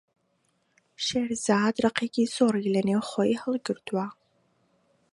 شێرزاد ڕقێکی زۆری لەنێو خۆی هەڵگرتووە.